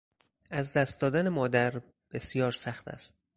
از دست دادن مادر بسیار سخت است.